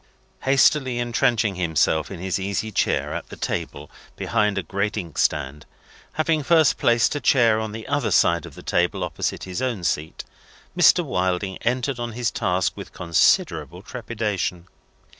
Hastily entrenching himself in his easy chair at the table behind a great inkstand, having first placed a chair on the other side of the table opposite his own seat, Mr. Wilding entered on his task with considerable trepidation.